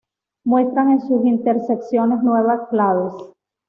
Muestran en sus intersecciones nueve claves.